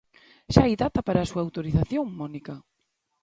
Xa hai data para a súa autorización, Mónica...